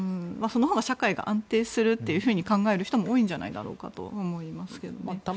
そのほうが社会が安定するというふうに考える人も多いんじゃないんだろうかと思いますけどね。